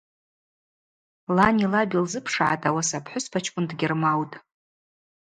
Лани лаби лзыпшгӏатӏ, ауаса апхӏвыспачкӏвын дгьырмаутӏ.